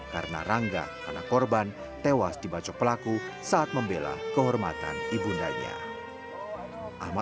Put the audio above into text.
karena rangga anak korban tewas dibacok pelaku saat membela kehormatan ibundanya